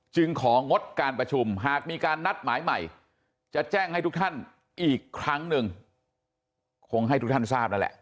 ของงดการประชุมหากมีการนัดหมายใหม่จะแจ้งให้ทุกท่านอีกครั้งหนึ่งคงให้ทุกท่านทราบนั่นแหละ